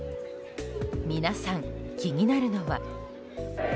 皆さん気になるのは。